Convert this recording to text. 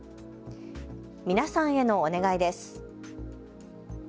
皆さんへのお願いです。